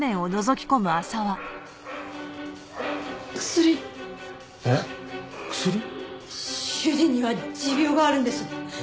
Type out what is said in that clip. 「」薬。えっ薬？主人には持病があるんです。